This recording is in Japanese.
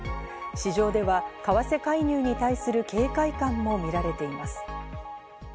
市場では為替介入に対する警戒感もみられています。